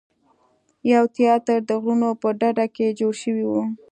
یو تیاتر د غرونو په ډډه کې جوړ شوی دی.